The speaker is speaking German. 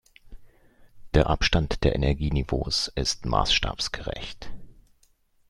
Der Abstand der Energieniveaus ist maßstabsgerecht.